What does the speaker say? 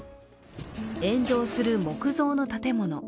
炎上する木造の建物。